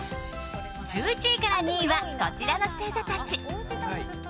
１１位から２位はこちらの星座たち。